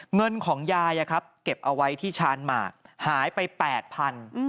เงินของยายเก็บเอาไว้ที่ชานหมากหายไป๘๐๐บาท